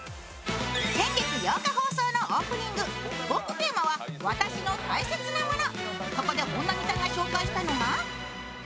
先月８日放送のオープニングトークテーマは私の大切なもの。